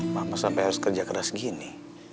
mama sampai harus kerja keras gini